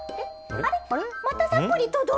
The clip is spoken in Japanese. あれ？